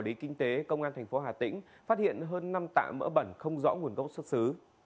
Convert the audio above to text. bị kinh tế công an tp ht phát hiện hơn năm tạ mỡ bẩn không rõ nguồn gốc xuất xứ